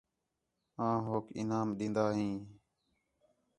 آں ہوک انعام ݙین٘دا ہیں